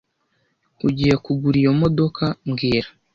Ugiye kugura iyo modoka mbwira